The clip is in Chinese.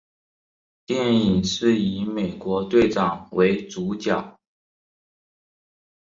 电影是以美国队长为主角。